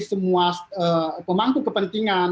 semua pemangku kepentingan